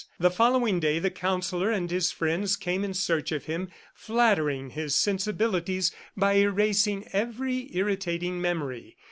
The following day the Counsellor and his friends came in search of him, flattering his sensibilities by erasing every irritating memory.